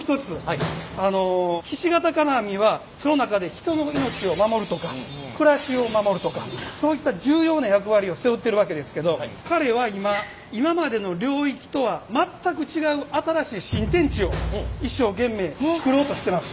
ひし形金網はその中で人の命を守るとか暮らしを守るとかそういった重要な役割を背負ってるわけですけど彼は今今までの領域とは全く違う新しい新天地を一生懸命作ろうとしてます。